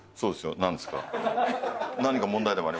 何ですか？